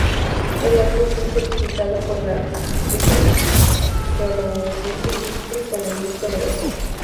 El álbum fue certificado por la British Phonographic Industry con el disco de oro.